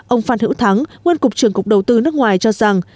ông phan hữu thắng nguyên cục trưởng cục đầu tư nước ngoài cho rằng